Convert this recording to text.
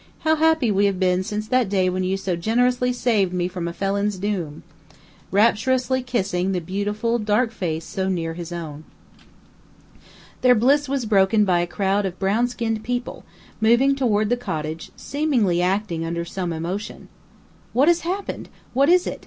how happy we have been since that day when you so generously saved me from a felon's doom!" rapturously kissing the beautiful, dark face so near his own. Their bliss was broken by a crowd of brown skinned people, moving toward the cottage, seemingly acting under some emotion. "What has happened? What is it?"